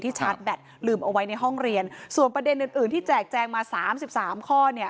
ที่ชาร์จแบตลืมเอาไว้ในห้องเรียนส่วนประเด็นอื่นที่แจกแจ้งมา๓๓ข้อ